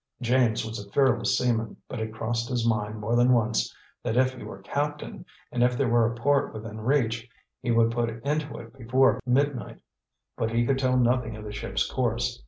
James was a fearless seaman, but it crossed his mind more than once that if he were captain, and if there were a port within reach, he would put into it before midnight. But he could tell nothing of the ship's course.